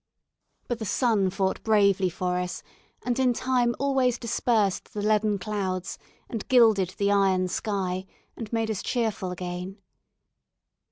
But the sun fought bravely for us, and in time always dispersed the leaden clouds and gilded the iron sky, and made us cheerful again.